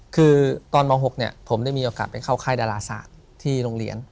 คือตอนม๖ผมได้มีโอกาสไปเข้าค่ายดาราศาสตร์ที่โรงเรียน